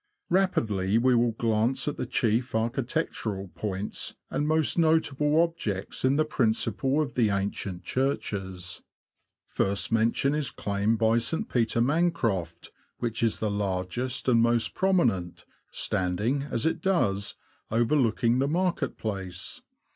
Rapidly we will glance at the chief architectural points and most notable objects in the principal of the ancient churches. First mention is claimed by 76 THE LAND OF THE BROADS. St. Peter Mancroft, which is the largest and most prominent, standing, as it does, overlooking the market place.